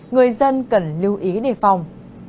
người dân cần lưu ý đề phòng